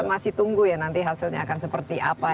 kita masih tunggu ya nanti hasilnya akan seperti apa